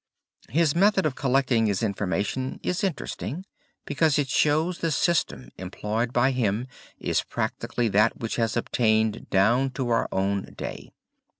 His method of collecting his information is interesting, because it shows the system employed by him is practically that which has obtained down to our own day.